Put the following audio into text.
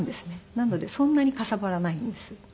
なのでそんなにかさばらないんです。